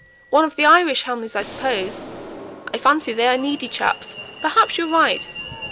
"One of the Irish Hamleys, I suppose. I fancy they are needy chaps. Perhaps you're right.